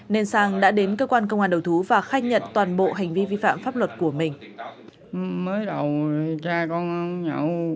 nên sang đã đến cơ quan công an đầu thú và khai nhận toàn bộ hành vi vi phạm pháp luật của mình